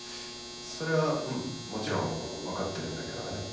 それはうんもちろん分かってるんだけどねうん。